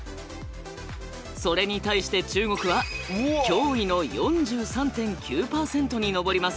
それに対して中国は驚異の４３．９％に上ります。